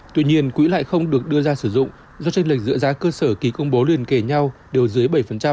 tuy nhiên quỹ lại không được đưa ra sử dụng do tranh lệch giữa giá cơ sở ký công bố liên kể nhau đều dưới bảy